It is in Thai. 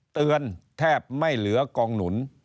แทบไม่เหลือกองหนุน